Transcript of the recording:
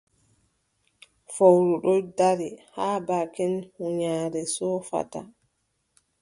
Fowru ɗon dari haa baakin huunyaare soofata.